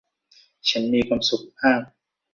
ฉันมีความสุขมาก !